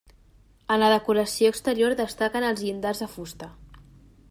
En la decoració exterior destaquen els llindars de fusta.